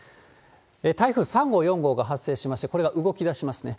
台風３号、４号が発生しまして、これが動きだしますね。